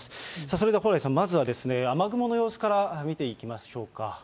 それでは、蓬莱さん、まずは雨雲の様子から見ていきましょうか。